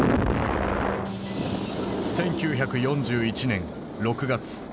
１９４１年６月。